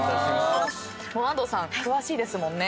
もう安藤さん詳しいですもんね。